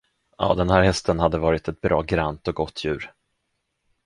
Ja, den där hästen hade varit ett bra grant och gott djur.